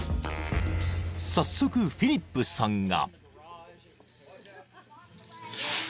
［早速フィリップさんが］